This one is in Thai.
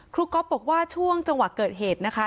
ก๊อฟบอกว่าช่วงจังหวะเกิดเหตุนะคะ